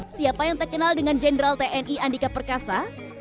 siapa yang terkenal dengan jenderal tni andika perkasa